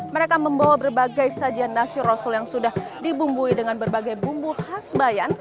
mereka membawa berbagai sajian nasi rasul yang sudah dibumbui dengan berbagai bumbu khas bayan